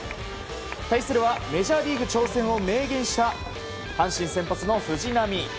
対するはメジャーリーグ挑戦を明言した阪神先発の藤浪。